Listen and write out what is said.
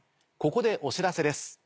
ここでお知らせです。